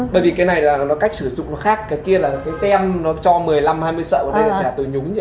bởi vì cái này cách sử dụng nó khác cái kia là cái tem nó cho một mươi năm hai mươi sợi và cái này là trả từ nhúng